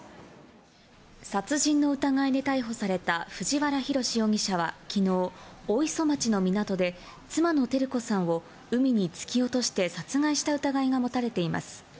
殺人の疑いで逮捕された藤原宏容疑者は、きのう、大磯町の港で、妻の照子さんを海に突き落として殺害した疑いが持たれています。